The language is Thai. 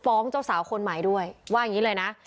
เจ้าสาวคนใหม่ด้วยว่าอย่างนี้เลยนะ